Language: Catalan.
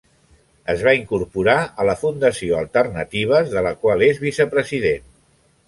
Es va incorporar a la Fundació Alternatives, de la qual és Vicepresident.